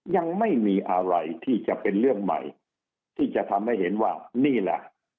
ยังไม่มีอะไรที่จะเป็นเรื่องใหม่ที่จะทำให้เห็นว่านี่แหละ